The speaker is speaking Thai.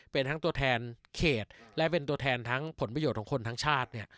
เป็นทั้งตัวแทนเขตและเป็นตัวแทนทั้งผลประโยชน์ของคนทั้งชาติเนี่ย